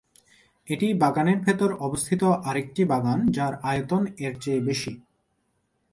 এটি বাগানের ভেতর অবস্থিত আরেকটি বাগান যার আয়তন এর চেয়ে বেশি।